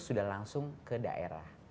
sudah langsung ke daerah